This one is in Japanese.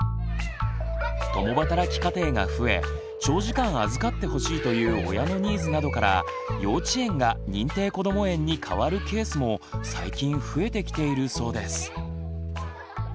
共働き家庭が増え長時間預かってほしいという親のニーズなどから幼稚園が認定こども園に変わるケースも最近増えてきているそうです。